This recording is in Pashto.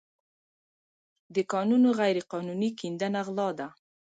د کانونو غیرقانوني کیندنه غلا ده.